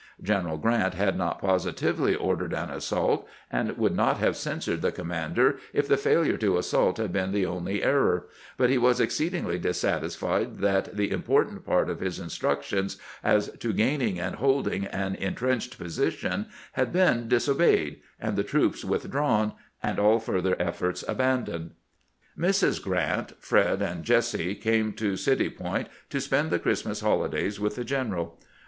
General Grant liad not positively ordered an assault, and would not have censured the commander if the failure to assault had been the only error ; but he was exceedingly dissatisfied that the important part of his instructions as to gaining and holding an intrenched position had been disobeyed, and the troops withdrawn, and all further efforts abandoned. Mrs. Grant, Fred, and Jesse came to City Point to spend the Christmas holidays with the general.